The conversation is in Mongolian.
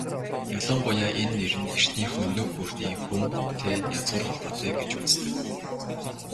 Ялангуяа энэ нэр нь эртний Хүннү гүрний "Хүн"-тэй язгуур холбоотой гэж үздэг.